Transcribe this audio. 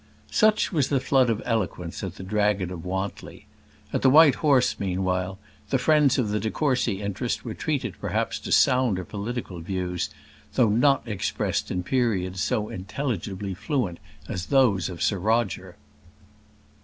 Such was the flood of eloquence at the Dragon of Wantly. At the White Horse, meanwhile, the friends of the de Courcy interest were treated perhaps to sounder political views; though not expressed in periods so intelligibly fluent as those of Sir Roger.